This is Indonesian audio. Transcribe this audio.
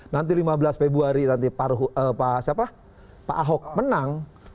nanti lima belas februari nanti pak ahok menang